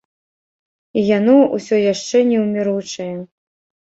І яно ўсё яшчэ неўміручае.